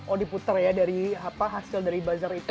oh diputar ya dari apa hasil dari buzzer itu